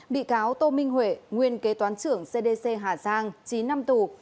bị cáo tô minh huệ nguyên kế toán trưởng cdc hà giang chín năm tù